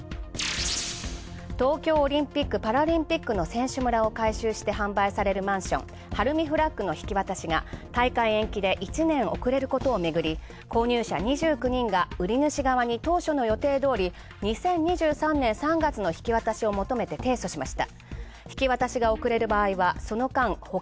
東京オリンピック・パラリンピックの選手村を改修して販売されるマンション、晴海フラッグの引き渡しが大会延期で１年遅れることをめぐり、購入者２９人が売主側に、当初の予定通り２０２３年３月の引き渡しを求めて提訴しました。